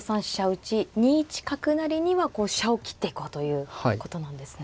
打２一角成には飛車を切っていこうということなんですね。